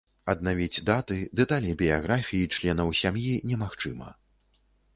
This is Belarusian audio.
Аднавіць даты, дэталі біяграфіі, членаў сям'і немагчыма.